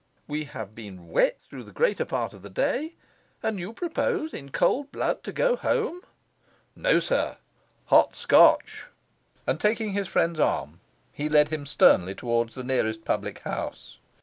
we have been wet through the greater part of the day, and you propose, in cold blood, to go home! No, sir hot Scotch.' And taking his friend's arm he led him sternly towards the nearest public house.